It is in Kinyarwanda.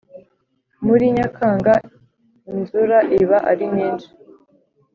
muri nyakanga inzura iba ari nyinshi